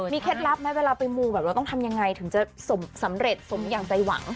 เคล็ดลับไหมเวลาไปมูแบบเราต้องทำยังไงถึงจะสำเร็จสมอย่างใจหวัง